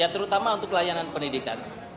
terutama untuk layanan pendidikan